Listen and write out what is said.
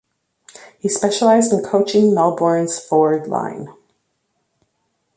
He specialised in coaching Melbourne's forward line.